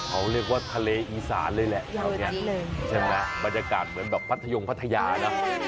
เขาเรียกว่าทะเลอีสานเลยแหละแถวนี้ใช่ไหมบรรยากาศเหมือนแบบพัทยงพัทยาเนอะ